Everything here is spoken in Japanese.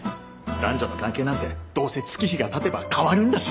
男女の関係なんてどうせ月日が経てば変わるんだし。